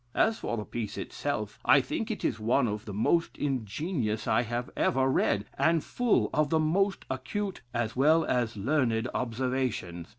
As for the piece itself, I think it is one of the most ingenious I have ever read, and full of the most acute as well as learned observations.